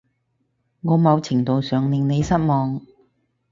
我某程度上令你失望